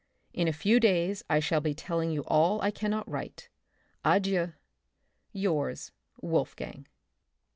In a fe^^days I shall be telling you all I can not write. Adieu, Yours, Wolfgang.